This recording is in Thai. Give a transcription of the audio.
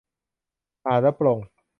อ่านแล้วปลง